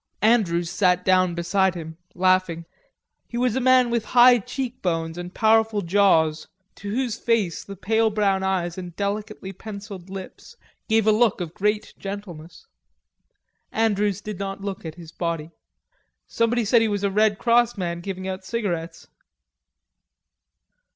Andrews sat down beside him, laughing. He was a man with high cheekbones and powerful jaws to whose face the pale brown eyes and delicately pencilled lips gave a look of great gentleness. Andrews did not look at his body. "Somebody said he was a Red Cross man giving out cigarettes....